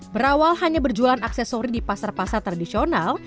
berawal hanya berjualan aksesori di pasar pasar tradisional